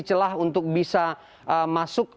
celah untuk bisa masukkan